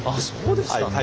そうですか。